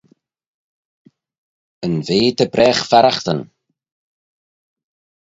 Yn vea dy bragh farraghtyn.